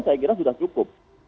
saya kira sudah cukup